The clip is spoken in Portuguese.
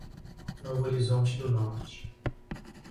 Novo Horizonte do Norte